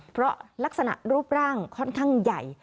เพราะลักษณะรูปร่างค่อนข้างใหญ่